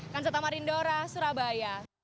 kanseta marindora surabaya